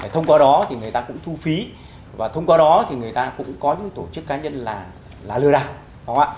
thông qua đó thì người ta cũng thu phí và thông qua đó thì người ta cũng có những tổ chức cá nhân là lừa đảo